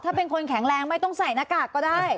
ถ้าเป็นคนแข็งแรงไม่ต้องใส่หน้ากากก็ได้